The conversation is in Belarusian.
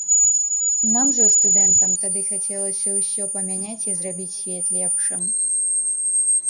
Нам жа, студэнтам, тады хацелася ўсё памяняць і зрабіць свет лепшым.